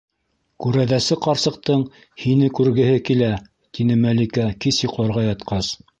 Күрәҙәсе ҡарсыҡтың һине күргеһе килә, - тине Мәликә кис йоҡларға ятҡас.